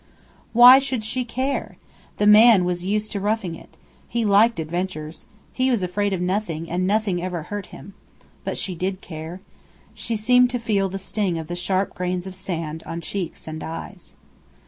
Why should she care? The man was used to roughing it. He liked adventures. He was afraid of nothing, and nothing ever hurt him. But she did care. She seemed to feel the sting of the sharp grains of sand on cheeks and eyes.